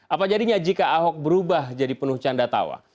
apa jadinya jika ahok berubah jadi penuh canda tawa